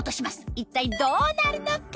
一体どうなるのか？